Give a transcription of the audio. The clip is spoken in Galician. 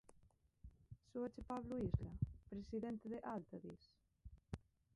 Sóache Pablo Isla, presidente de Altadis?